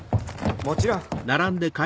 もちろん。